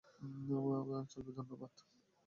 চলবে, ধন্যবাদ।